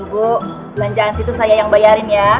bu belanjaan situs saya yang bayarin ya